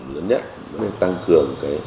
lớn nhất tăng cường